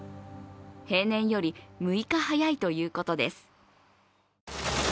平年より６日早いということです。